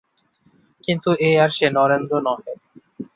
কিন্তু এ আর সে নরেন্দ্র নহে।